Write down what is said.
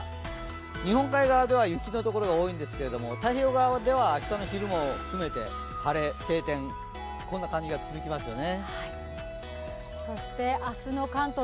日本海側では雪の所が多いんですけれども太平洋側では明日の昼も含めて晴天、こんな感じが続きますよね。